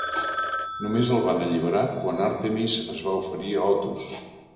Només el van alliberar quan Àrtemis es va oferir a Otus.